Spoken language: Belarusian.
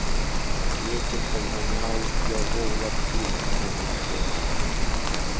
Вецер пазганяў яго ў лагчыны, і зямля шэрая.